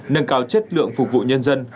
nâng cao chất lượng phục vụ nhân dân